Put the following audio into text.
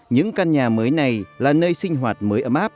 những căn nhà mới này là nơi sinh hoạt mới ấm áp